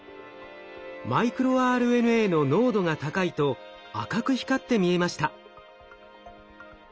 マイクロＲＮＡの濃度が高いと赤く光って見えました。